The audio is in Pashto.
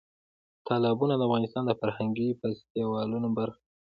تالابونه د افغانستان د فرهنګي فستیوالونو برخه ده.